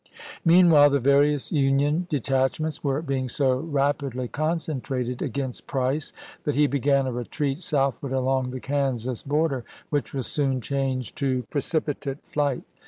p sii Meanwhile the various Union detachments were being so rapidly concentrated against Price that he began a retreat southward along the Kansas bor der, which was soon changed to precipitate flight.